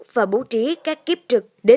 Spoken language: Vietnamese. và bố trí các kiếp trực